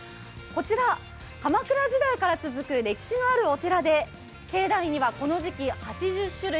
こちら、鎌倉時代から続く歴史のあるお寺で境内にはこの時期８０種類